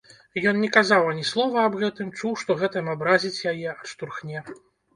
Ёй не казаў ані слова аб гэтым, чуў, што гэтым абразіць яе, адштурхне.